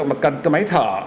mà cần cái máy thở